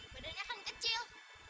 badannya kan kecil